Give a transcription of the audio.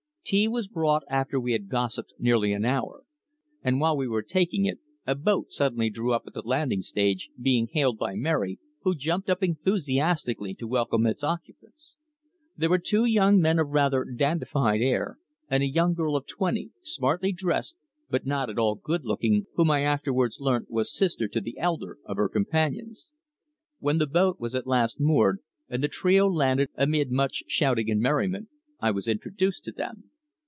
Tea was brought after we had gossiped nearly an hour, and while we were taking it a boat suddenly drew up at the landing stage, being hailed by Mary, who jumped up enthusiastically to welcome its occupants. These were two young men of rather dandified air and a young girl of twenty, smartly dressed, but not at all good looking, whom I afterwards learnt was sister to the elder of her companions. When the boat was at last moored, and the trio landed amid much shouting and merriment, I was introduced to them.